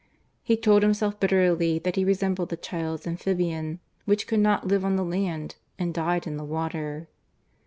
He told himself bitterly that he resembled the child's Amphibian, which could not live on the land and died in the water.